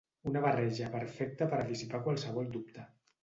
Una barreja perfecta per a dissipar qualsevol dubte.